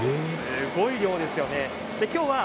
すごい量ですよね。